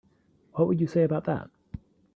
What would you say about that?